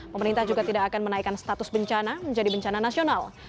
pemerintah juga tidak akan menaikkan status bencana menjadi bencana nasional